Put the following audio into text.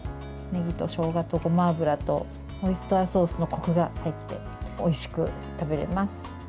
ねぎとしょうがとごま油とオイスターソースのこくが入っておいしく食べれます。